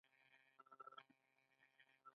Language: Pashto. بادام حافظې ته څه ګټه رسوي؟